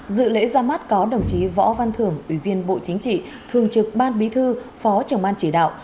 dự lễ ra mắt có đồng chí võ văn thưởng ủy viên bộ chính trị thường trực ban bí thư phó trưởng ban chỉ đạo